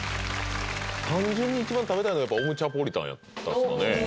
単純に一番食べたいのはオムちゃポリタンやったすかね